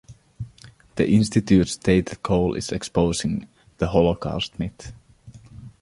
The Institute's stated goal is exposing "the Holocaust myth".